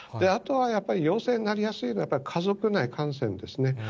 あとはやっぱり、陽性になりやすいのはやっぱり、家族内感染ですね。